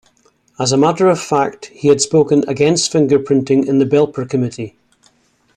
As a matter of fact, he had spoken against fingerprinting in the Belper Committee.